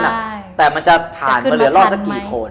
แต่มันจะผ่านมาเหลือรอดสักกี่โทน